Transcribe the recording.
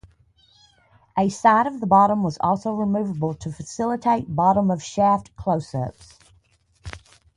A side of the bottom was also removable to facilitate "bottom-of-shaft" close-ups.